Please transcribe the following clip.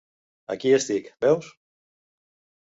Aquí estic, veus!